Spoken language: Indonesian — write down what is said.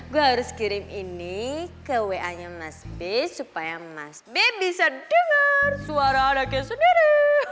gue harus kirim ini ke wa nya mas b supaya mas b bisa dengar suara anaknya saudara